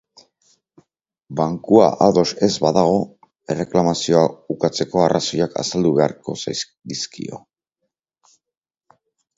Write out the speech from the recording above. Bankua ados ez badago, erreklamazioa ukatzeko arrazoiak azaldu beharko dizkio.